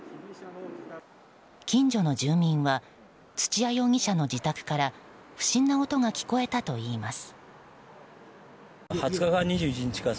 近所の住民は土屋容疑者の自宅から不審な音が聞こえたといいます。